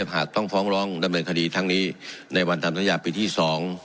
หากต้องฟ้องร้องดำเนินคดีทั้งนี้ในวันทำสัญญาปีที่๒